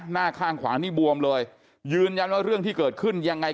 หน้าข้างขวานี่บวมเลยยืนยันว่าเรื่องที่เกิดขึ้นยังไง